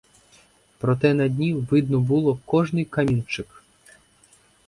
Проте на дні видно було кожний камінчик.